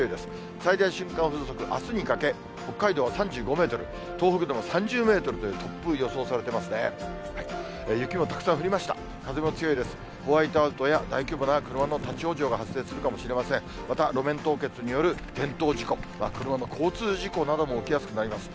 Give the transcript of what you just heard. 最大瞬間風速、あすにかけ北海道は３５メートル、東北でも３０メートルという突風、予想されてますね。